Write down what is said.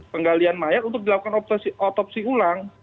penggalian mayat untuk dilakukan otopsi ulang